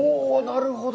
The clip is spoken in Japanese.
なるほど。